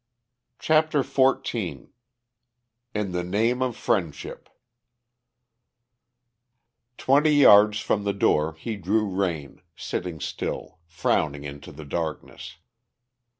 CHAPTER XIV IN THE NAME OF FRIENDSHIP Twenty yards from the door he drew rein, sitting still, frowning into the darkness.